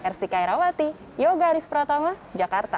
r stikairawati yoga aris pratama jakarta